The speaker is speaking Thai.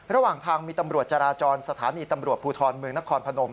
ระหว่างทางมีตำรวจจราจรสถานีตำรวจภูทรเมืองนครพนม